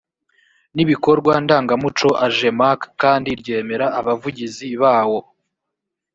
n ibikorwa ndangamuco ajemac kandi ryemera abavugizi bawo